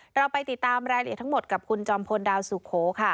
เราไปติดตามรายละเอียดทั้งหมดกับคุณจอมพลดาวสุโขค่ะ